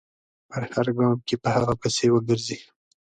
په هر ګام کې پر هغه پسې و ګرځي.